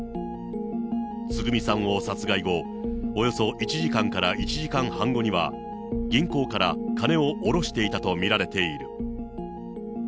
つぐみさんを殺害後、およそ１時間から１時間半後には、銀行から金を下ろしていたと見られている。